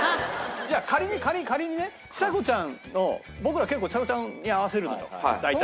いや仮に仮に仮にねちさ子ちゃんの僕ら結構ちさ子ちゃんに合わせるのよ大体。